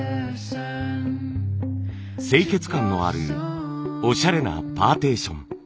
清潔感のあるオシャレなパーティション。